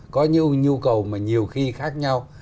có những nhu cầu mà nhiều khi khác nhau